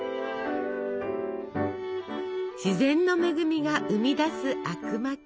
自然の恵みが生み出すあくまき。